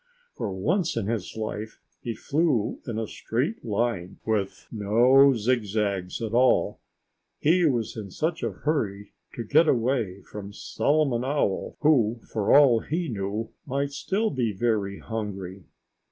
For once in his life he flew in a straight line, with no zigzags at all, he was in such a hurry to get away from Solomon Owl, who—for all he knew—might still be very hungry.